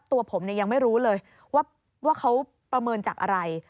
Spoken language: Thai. ตัวผมยังไม่รู้เลยว่าเขาประเมินจากอะไร